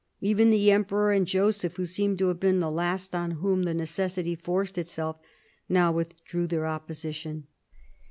Even the emperor and Joseph, who seem to have been the last on whom the necessity forced itself, now with drew their opposition.